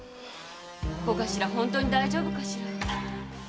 小頭本当に大丈夫かしら？